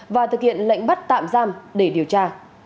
và thực hiện lệnh bắt tạm giam để điều tra